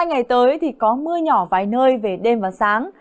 hai ngày tới thì có mưa nhỏ vài nơi về đêm và sáng